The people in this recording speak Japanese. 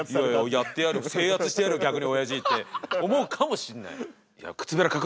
「制圧してやる逆におやじ」って思うかもしんない。